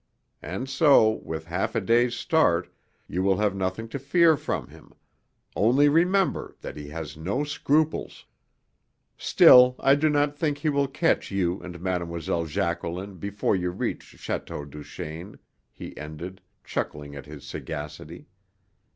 And so, with half a day's start, you will have nothing to fear from him only remember that he has no scruples. Still, I do not think he will catch you and Mlle. Jacqueline before you reach Château Duchaine," he ended, chuckling at his sagacity.